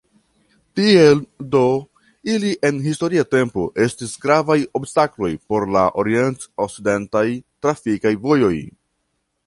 Tiel do ili en historia tempo estis gravaj obstakloj por la orient-okcidentaj trafikaj vojoj.